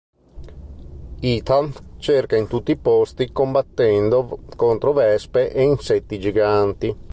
Ethan cerca in tutti i posti combattendo contro vespe e insetti giganti.